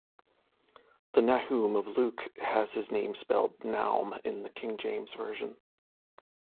The Nahum of Luke has his name spelled Naum in the King James Version.